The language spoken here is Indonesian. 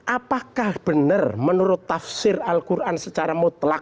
apakah benar menurut tafsir al quran secara mutlak